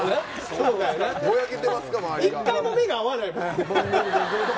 １回も目が合わないからね。